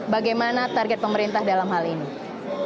bagaimana target pemerintah dalam hal ini